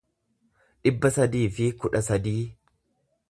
dhibba sadii fi kudha sadii